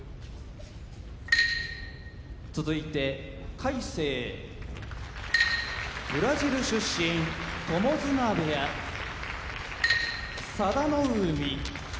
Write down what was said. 魁聖ブラジル出身友綱部屋佐田の海